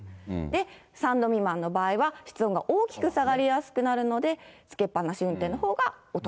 ３度未満の場合は室温が大きく下がりやすくなるので、つけっぱなし運転のほうがお得。